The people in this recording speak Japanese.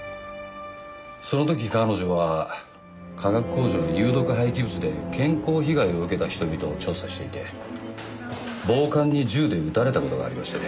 その時彼女は化学工場の有毒廃棄物で健康被害を受けた人々を調査していて暴漢に銃で撃たれた事がありましてね。